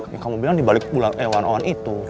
ya kamu bilang di balik awan awan itu